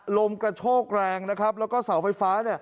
ลมกระโชกแรงนะครับแล้วก็เสาไฟฟ้า